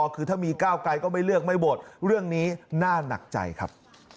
คือถ้ามีก้าวไกลก็ไม่เลือกไม่โหวตเรื่องนี้น่าหนักใจครับ